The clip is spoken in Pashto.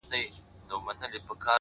دښایستونو خدایه اور ته به مي سم نیسې ـ